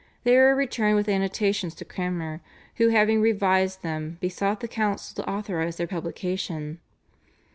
They were returned with annotations to Cranmer, who having revised them besought the council to authorise their publication.